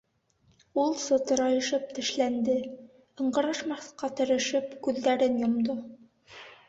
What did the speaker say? Ул сытырайышып тешләнде, ыңғырашмаҫҡа тырышып, күҙҙәрен йомдо.